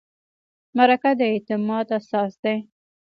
مرکه د اعتماد اساس دی.